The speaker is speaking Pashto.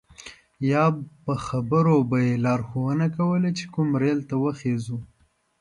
یا په خبرو به یې لارښوونه کوله چې کوم ریل ته وخیژو.